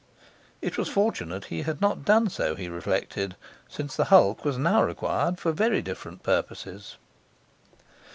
It was fortunate he had not done so, he reflected, since the hulk was now required for very different purposes.